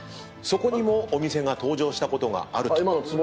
そこにもお店が登場したことがあるという。